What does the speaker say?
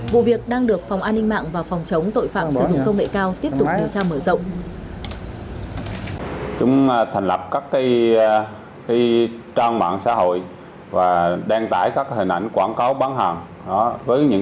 vụ việc đang được phòng an ninh mạng và phòng chống tội phạm sử dụng công nghệ cao tiếp tục điều tra mở rộng